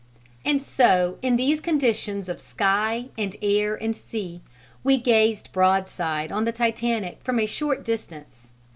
And so in these conditions of sky and air and sea, we gazed broadside on the Titanic from a short distance.